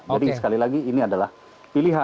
jadi sekali lagi ini adalah pilihan